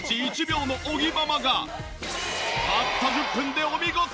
たった１０分でお見事！